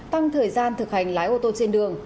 tăng thời gian thực hành lái ô tô trên đường